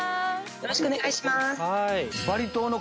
よろしくお願いします。